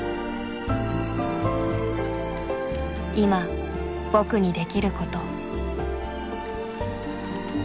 いま僕にできること。